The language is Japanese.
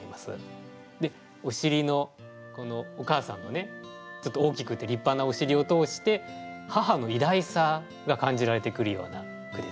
でおしりのこのお母さんのねちょっと大きくて立派なおしりを通して母の偉大さが感じられてくるような句ですね。